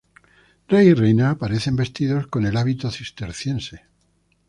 Rey y reina aparecen vestidos con el hábito cisterciense.